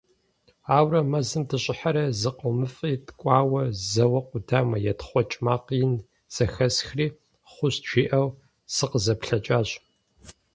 Ауэрэ мэзым дыщӀыхьэри зыкъомыфӀи ткӀуауэ, зэуэ къудамэ етхъуэкӀ макъ ин зэхэсхри, «хъущт» жиӀэу сыкъызэплъэкӀащ.